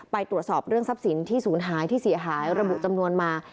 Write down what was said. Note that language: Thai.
ไปตรวจสอบเรื่องทรัพย์สินที่ศูนย์หายที่เสียหายระบุจำนวนมา